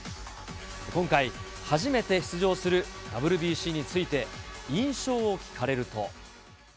今回、初めて出場するＷＢＣについて、印象を聞かれると。